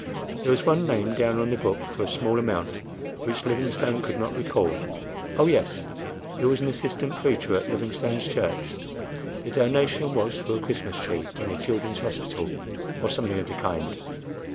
There was one name down on the book for a small amount which Livingstone could not recall.—Oh yes, he was an assistant preacher at Livingstone's church: the donation was for a Christmas tree in a Children's Hospital, or something of the kind.